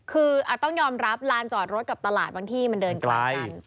คือต้องยอมรับลานจอดรถกับตลาดบางที่มันเดินไกลกัน